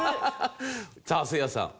さあせいやさん。